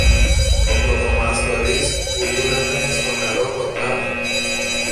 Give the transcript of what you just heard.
Ο πρωτομάστορης που δούλευε στο νερό κοντά